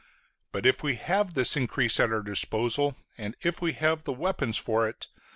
But if we have this increase at our disposal, and if we have the weapons for it, ...